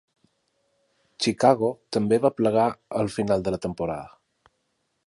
Chicago també va plegar al final de la temporada.